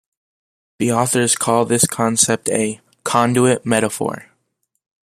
The authors call this concept a "conduit metaphor".